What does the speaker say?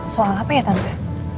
soal apa ya tante